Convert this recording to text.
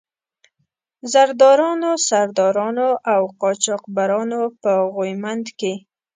زردارانو، سردارانو او قاچاق برانو په غويمند کې.